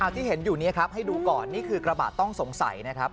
ที่เห็นอยู่นี้ครับให้ดูก่อนนี่คือกระบะต้องสงสัยนะครับ